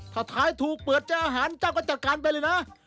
ถ้าท้ายถูกเปิดเจออาหารเจ้าก็จัดการไปเลยนะ